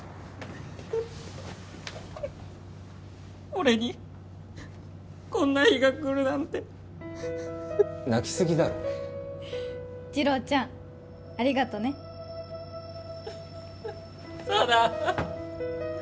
俺にこんな日が来るなんて泣きすぎだろ次郎ちゃんありがとね佐奈